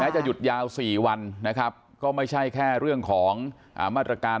จะหยุดยาว๔วันนะครับก็ไม่ใช่แค่เรื่องของมาตรการ